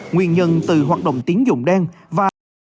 nguyên nhân từ hoạt động tiếng dụng đen và